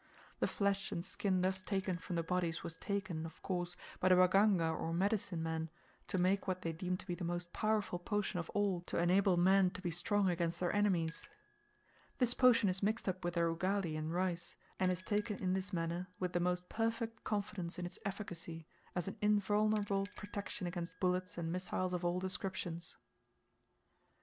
The flesh and skin thus taken from the bodies was taken, of course, by the waganga or medicine men, to make what they deem to be the most powerful potion of all to enable men to be strong against their enemies. This potion is mixed up with their ugali and rice, and is taken in this manner with the most perfect confidence in its efficacy, as an invulnerable protection against bullets and missiles of all descriptions.